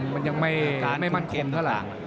มันยังไม่มั่นคงเท่าไหร่